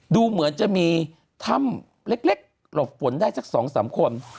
ดูเหมือนจะมีถ้ำเล็กหลบฝนได้สัก๒๓คน